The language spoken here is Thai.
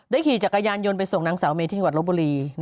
ขี่จักรยานยนต์ไปส่งนางสาวเมที่จังหวัดลบบุรี